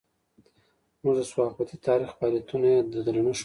موږ د صحافتي تاریخ فعالیتونه یې د درنښت بولو.